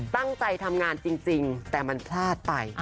ตั้งใจทำงานจริงแต่มันพลาดไป